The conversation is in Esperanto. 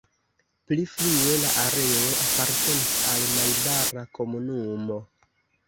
Pli frue la areo apartenis al najbara komunumo.